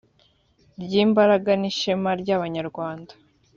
ry imbaraga n ishema ry abanyarwanda